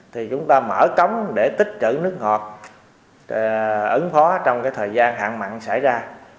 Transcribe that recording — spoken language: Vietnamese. thì chúng ta mở cống để tích trữ nước ngọt ứng phó trong cái thời gian hạn mặn xảy ra